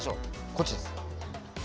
こっちです。